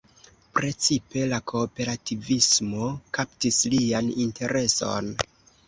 Precipe la kooperativismo kaptis lian intereson.